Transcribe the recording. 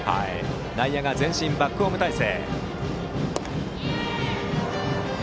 内野前進バックホーム態勢。